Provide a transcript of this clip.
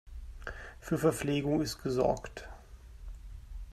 Für Verpflegung ist gesorgt.